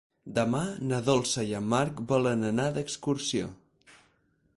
Demà na Dolça i en Marc volen anar d'excursió.